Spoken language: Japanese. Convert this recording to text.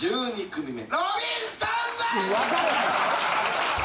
１３組目。